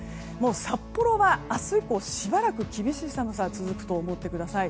札幌は、明日以降しばらく厳しい寒さが続くと思ってください。